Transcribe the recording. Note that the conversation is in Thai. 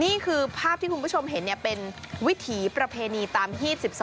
นี่คือภาพที่คุณผู้ชมเห็นเป็นวิถีประเพณีตามที่๑๒